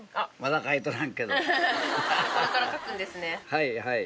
はいはい。